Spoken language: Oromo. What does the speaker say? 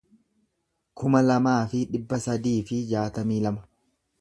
kuma lamaa fi dhibba sadii fi jaatamii lama